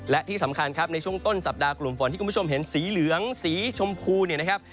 และที่สำคัญครับในช่วงต้นสัปดาห์กลุ่มฝนที่คุณผู้ชมเห็นสีเหลืองสีชมพูเนี่ยนะครับ